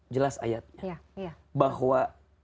jelas ayatnya bahwa